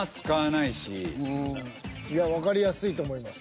いやわかりやすいと思います。